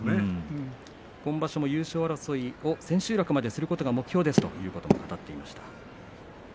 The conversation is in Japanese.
今場所も優勝争いを千秋楽まですることが目標ですということを語っていました。